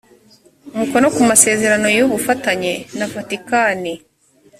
umukono ku masezerano y ubufatanye na vatikani